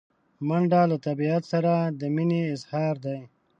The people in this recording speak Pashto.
منډه له طبیعت سره د مینې اظهار دی